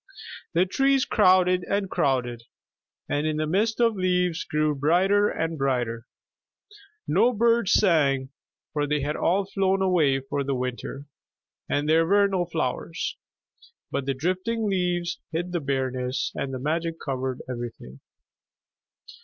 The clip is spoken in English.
The trees crowded and crowded, and the mist of leaves grew brighter and brighter. No birds sang, for they had all flown away for the winter, and there were no flowers. But the drifting leaves hid the bareness, and magic covered everything.